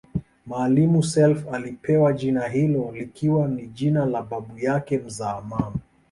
Maalim Self alipewa jina hilo likiwa ni jina la babu yake mzaa mama